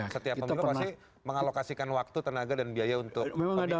setiap pemilu pasti mengalokasikan waktu tenaga dan biaya untuk pemilihan